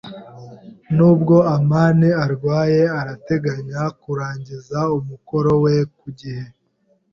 [T] Nubwo amani arwaye, arateganya kurangiza umukoro we ku gihe.